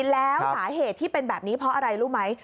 แล้วสาเหตุที่เป็นแบบนี้เพราะอะไรรู้ไหม